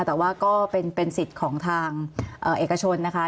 แต่ว่าก็เป็นสิทธิ์ของทางเอกชนนะคะ